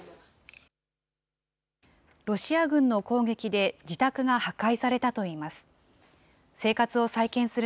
ロシア軍の攻撃で自宅が破壊されたといいます。